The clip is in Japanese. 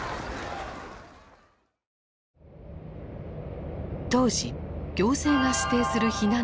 当時行政が指定する避難所はなかった。